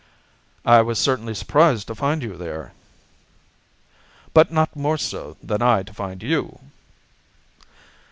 "I was certainly surprised to find you there." "But not more so than I to find you."